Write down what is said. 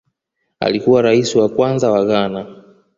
Alikuwa Rais wa kwanza wa Ghana